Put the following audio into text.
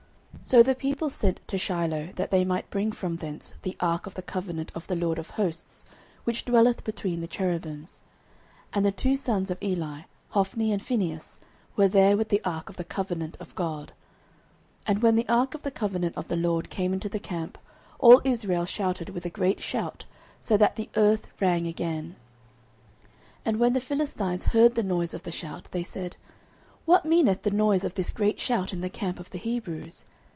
09:004:004 So the people sent to Shiloh, that they might bring from thence the ark of the covenant of the LORD of hosts, which dwelleth between the cherubims: and the two sons of Eli, Hophni and Phinehas, were there with the ark of the covenant of God. 09:004:005 And when the ark of the covenant of the LORD came into the camp, all Israel shouted with a great shout, so that the earth rang again. 09:004:006 And when the Philistines heard the noise of the shout, they said, What meaneth the noise of this great shout in the camp of the Hebrews?